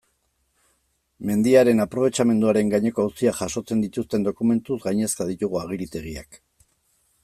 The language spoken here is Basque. Mendiaren aprobetxamenduaren gaineko auziak jasotzen dituzten dokumentuz gainezka ditugu agiritegiak.